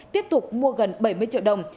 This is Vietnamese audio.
tiếp tục mua gần bảy mươi triệu đồng